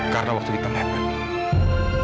karena waktu kita melepaskan